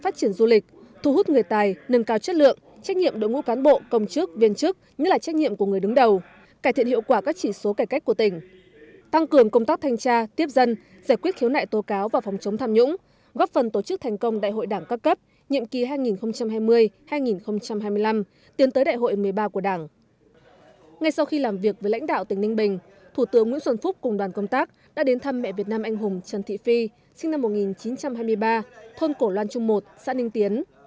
thủ tướng nguyễn xuân phúc cùng đoàn công tác đã đến thăm mẹ việt nam anh hùng trần thị phi sinh năm một nghìn chín trăm hai mươi ba thôn cổ loan trung một xã ninh tiến